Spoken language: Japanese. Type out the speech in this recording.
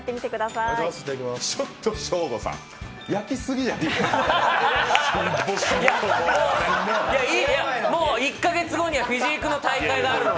いや、もう１か月後にはフィジークの大会があるんで！